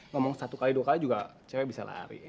ngomong satu x dua kali juga cewek bisa lari